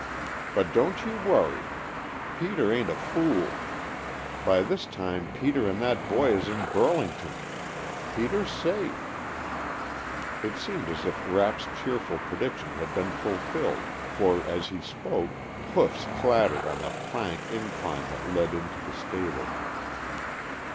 But don't you worry. Peter ain't a fool. By this time Peter and that boy is in Burlington. Peter's safe " It seemed as if Rapp's cheerful prediction had been fulfilled, for, as he spoke, horses' hoofs clattered on the plank incline that led into the stable.